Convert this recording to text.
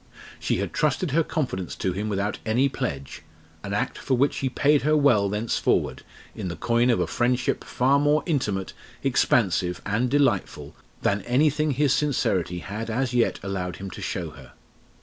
She had trusted her confidence to him without any pledge an act for which he paid her well thenceforward, in the coin of a friendship far more intimate, expansive, and delightful than anything his sincerity had as yet allowed him to show her.